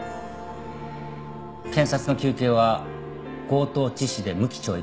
検察の求刑は強盗致死で無期懲役。